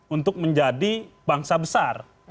untuk menjadi bangsa besar